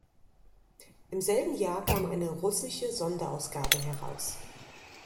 Im selben Jahr kam eine russische Sonderausgabe heraus.